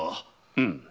うん。